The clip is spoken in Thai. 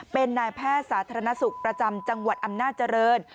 เป็นนายแพทย์สาธารณสุขประจำจังหวัดอำนาจริง